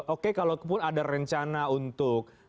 oke kalau pun ada rencana untuk